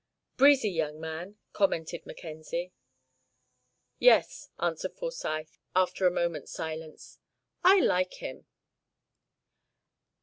"Breezy young man," commented Mackenzie. "Yes," answered Forsyth, after a moment's silence, "I like him."